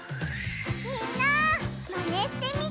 みんなマネしてみてね！